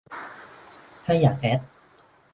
ถ้าอยากแอด